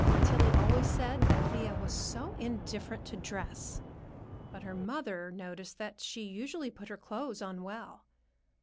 Tillie always said that Thea was "so indifferent to dress," but her mother noticed that she usually put her clothes on well.